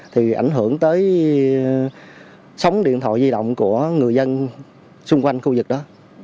thì ảnh hưởng tới sóng điện thoại di động của người dân xung quanh khu vực đó